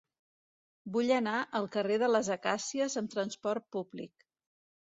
Vull anar al carrer de les Acàcies amb trasport públic.